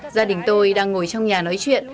gia đình tôi đang ngồi trong nhà nói chuyện